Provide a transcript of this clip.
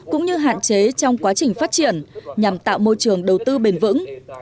cũng như hạn chế trong quá trình phát triển nhằm tạo môi trường đầu tư bền vững